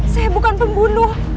saya bukan pembunuh